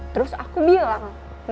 terus aku bilang